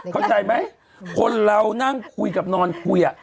เข้าใจไหมคนเรานั่งคุยกับนอนคุย